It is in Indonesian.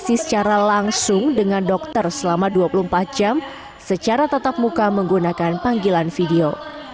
saya langsung dengan dokter selama dua puluh empat jam secara tatap muka menggunakan panggilan video